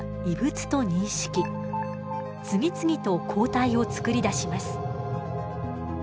次々と抗体をつくり出します。